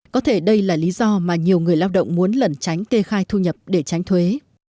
có thể đây là lý do mà nhiều người lao động muốn lẩn tránh kê khai thu nhập để tránh thuế